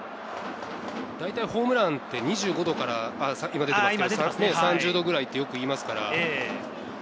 大体ホームランって２５度から３０度くらいって、よく言いますから。